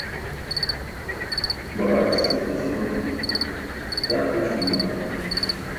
Baġark sise tusu lo dan duusum juwan.